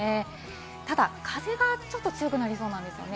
ただ風がちょっと強くなりそうなんですよね。